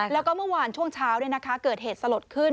แล้วก็เมื่อวานช่วงเช้าเกิดเหตุสลดขึ้น